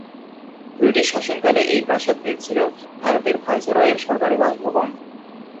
British শাসনকালে এই প্রাসাদটি ছিল ভারতের ভাইসরয়ের সরকারি বাসভবন।